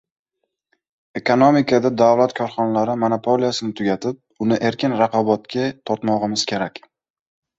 Ekonomikada davlat korxonalari monopoliyasini tugatib, uni erkin raqobatga tortmog‘imiz kerak.